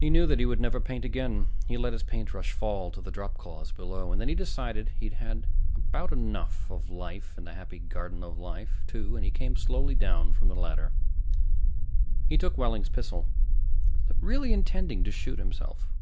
He knew that he would never paint again. He let his paintbrush fall to the dropcloths below. And then he decided he had had about enough of life in the Happy Garden of Life, too, and he came slowly down from the ladder. He took Wehling's pistol, really intending to shoot himself.